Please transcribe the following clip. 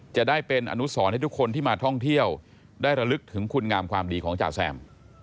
จะได้เป็นอนุสรให้ทุกคนที่มาท่องเที่ยวได้ระลึกถึงคุณงามความดีของจ่าแซม